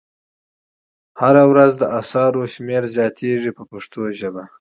هره ورځ د اثارو شمېره زیاتیږي په پښتو ژبه.